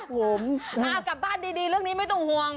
ผมกลับบ้านดีเรื่องนี้ไม่ต้องห่วง